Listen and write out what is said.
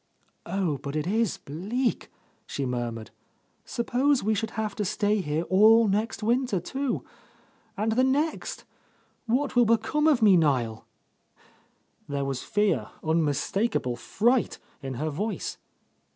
"Oh, but it is bleak!" she murmured. "Sup pose we should have to stay here all next winter, too, ... and the next! What will become of me, Niel?" There was fear, unmistakable fright in her voice.